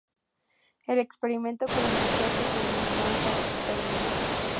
El experimento con la anarquía que se denominó el "Santo Experimento".